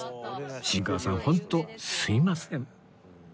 新川さん本当すみません